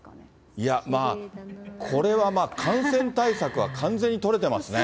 いや、これはまあ、感染対策は完全に取れてますね。